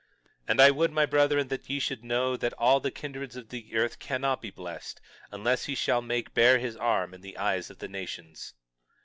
22:10 And I would, my brethren, that ye should know that all the kindreds of the earth cannot be blessed unless he shall make bare his arm in the eyes of the nations.